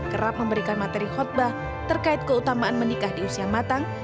kerap memberikan materi khutbah terkait keutamaan menikah di usia matang